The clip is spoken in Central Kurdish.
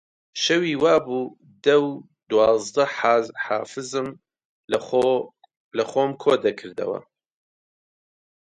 شەوی وا بوو دە و دوازدە حافزم لەخۆم کۆ دەکردەوە